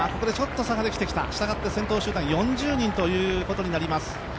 したがって先頭集団４０人ということになります。